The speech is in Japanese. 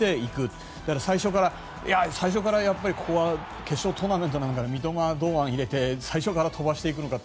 それとも、最初から決勝トーナメントだから三笘、堂安を入れて最初から飛ばしていくのか。